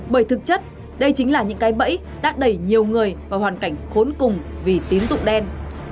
bởi thực chất đây chính là những cái bẫy tác đẩy nhiều người vào hoàn cảnh khốn cùng vì tín dụng đen